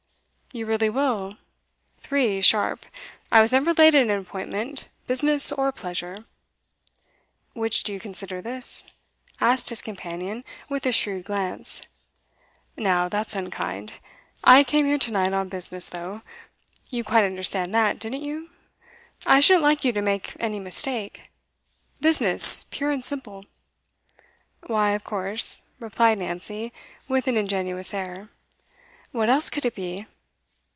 'You really will? Three, sharp. I was never late at an appointment, business or pleasure.' 'Which do you consider this?' asked his companion, with a shrewd glance. 'Now that's unkind. I came here to night on business, though. You quite understand that, didn't you? I shouldn't like you to make any mistake. Business, pure and simple.' 'Why, of course,' replied Nancy, with an ingenuous air. 'What else could it be?